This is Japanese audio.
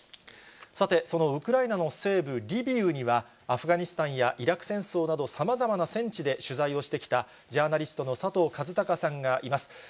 さてそのウクライナの西部リビウには、アフガニスタンやイラク戦争などさまざまな戦地で取材をしてきた、ジャーナリストの佐藤和孝さんがいます。